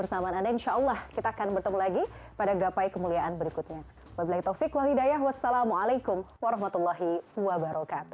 wassalamualaikum warahmatullahi wabarakatuh